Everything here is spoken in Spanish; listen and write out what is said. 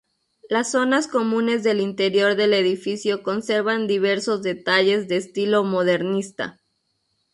Las zonas comunes del interior del edificio conservan diversos detalles de estilo modernista.